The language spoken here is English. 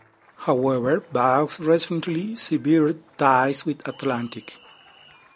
However, Vaux recently severed ties with Atlantic.